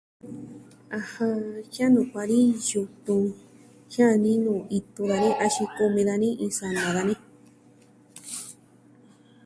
ɨjɨn jia'a nuku dani yutun jia'a dani nuu itu dani axin kumi dani iin sana dani.